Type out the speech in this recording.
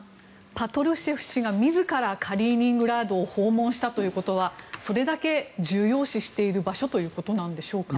パトルシェフ氏が自らカリーニングラードを訪問したということはそれだけ重要視している場所ということなのでしょうか。